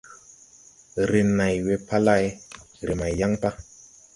Ree này we pa lay, re mãy yan pa.